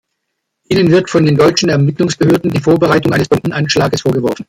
Ihnen wird von den deutschen Ermittlungsbehörden die Vorbereitung eines Bombenanschlags vorgeworfen.